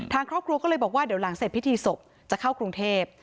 ทางครอบครัวก็เลยบอกว่าเดี๋ยวหลังเสร็จพิธีศพจะเข้ากรุงเทพ